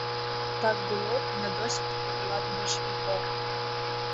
Так было і на досвітку ўлады бальшавікоў.